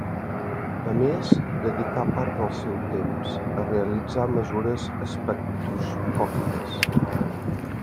A més dedicà part del seu temps a realitzar mesures espectroscòpiques.